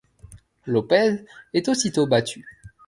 López est aussitôt abattu.